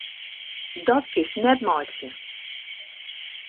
Dat kinst net meitsje!